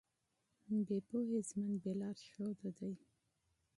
بې پوهې ژوند بې لارښوده دی.